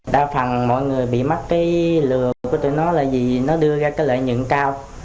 đa phần mọi người bị mắc cái lừa của tụi nó là vì nó đưa ra cái lợi nhuận cao